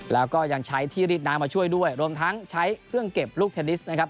แล้วก็ยังใช้ที่รีดน้ำมาช่วยด้วยรวมทั้งใช้เครื่องเก็บลูกเทนนิสนะครับ